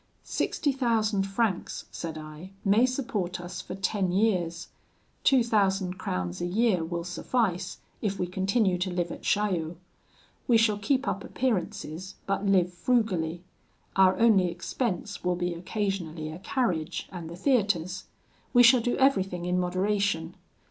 'Sixty thousand francs,' said I, 'may support us for ten years. Two thousand crowns a year will suffice, if we continue to live at Chaillot. We shall keep up appearances, but live frugally. Our only expense will be occasionally a carriage, and the theatres. We shall do everything in moderation.